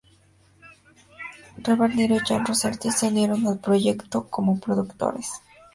Robert De Niro y Jane Rosenthal se unieron al proyecto como productores ejecutivos.